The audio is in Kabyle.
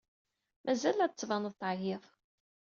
Mazal la d-tettbaned teɛyid.